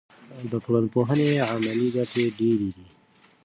د ټولنپوهنې عملي ګټې ډېرې دي.